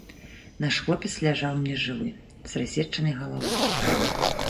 Наш хлопец ляжаў нежывы, з рассечанай галавой.